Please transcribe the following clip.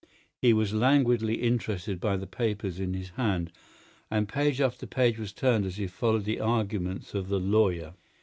He was languidly interested by the papers in his hand, and page after page was turned as he followed the argument of the lawyer.